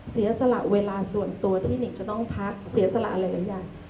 เสียสละเวลาส่วนตัวที่หนิงจะต้องพักเสียสละหลายอย่าง